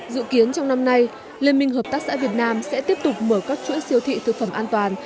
dự kiến trong năm nay liên minh hợp tác xã việt nam sẽ tiếp tục mở các chuỗi siêu thị thực phẩm an toàn